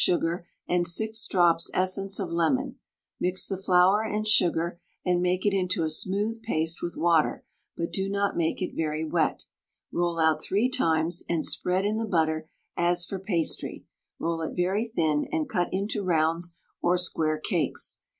sugar, and 6 drops essence of lemon; mix the flour and sugar, and make it into a smooth paste with water, but do not make it very wet. Roll out 3 times, and spread in the butter as for pastry; roll it very thin, and cut into rounds or square cakes.